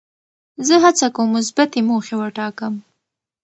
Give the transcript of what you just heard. زه هڅه کوم مثبتې موخې وټاکم.